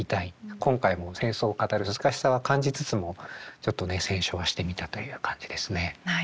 今回も戦争を語る難しさは感じつつもちょっとね選書はしてみたという感じですね。